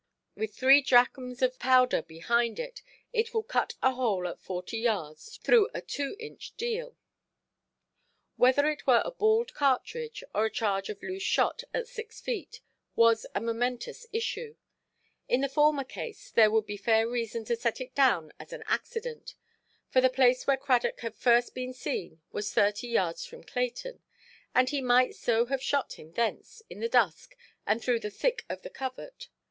With three drachms of powder behind it, it will cut a hole at forty yards through a two–inch deal. Whether it were a balled cartridge or a charge of loose shot at six feet distance, was the momentous issue. In the former case, there would be fair reason to set it down as an accident; for the place where Cradock had first been seen was thirty yards from Clayton; and he might so have shot him thence, in the dusk, and through the thick of the covert.